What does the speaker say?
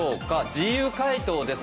自由回答です。